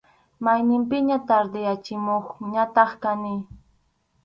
Mayninpiqa tardeyachikamuqñataq kani.